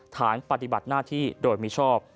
ฐานปฏิบัติหน้าที่โดยมิชอบ